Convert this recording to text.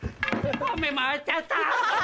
目回っちゃった。